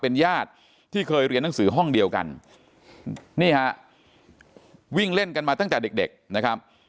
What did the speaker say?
เป็นญาติที่เคยเรียนหนังสือห้องเดียวกันนี่ฮะวิ่งเล่นกันมาตั้งแต่เด็กเด็กนะครับ